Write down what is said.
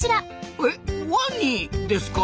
えワニですか？